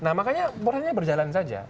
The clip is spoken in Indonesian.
nah makanya prosesnya berjalan saja